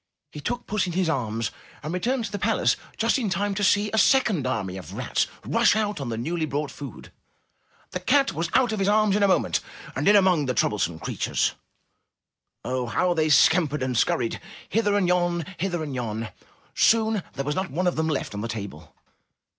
He took puss in his arms and returned to the palace just in time to see a second army of rats rush out on the newly brought food. The cat was out of his arms in a moment and in among the troublesome creatures. Oh ! how they scampered and scurried ! Hither and yon! Hither and yon! Soon there was not one of them left on the table.